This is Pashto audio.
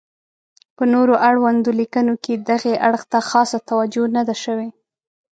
په نور اړوندو لیکنو کې دغې اړخ ته خاصه توجه نه ده شوې.